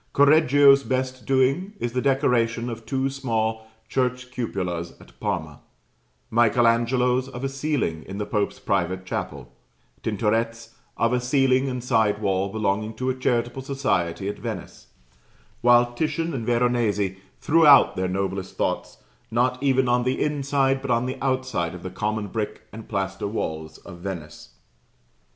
Correggio's best doing is the decoration of two small church cupolas at Parma; Michael Angelo's of a ceiling in the Pope's private chapel; Tintoret's, of a ceiling and side wall belonging to a charitable society at Venice; while Titian and Veronese threw out their noblest thoughts, not even on the inside, but on the outside of the common brick and plaster walls of Venice.